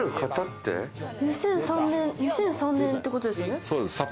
２００３年ってことです？